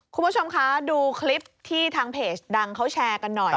คุณผู้ชมคะดูคลิปที่ทางเพจดังเขาแชร์กันหน่อย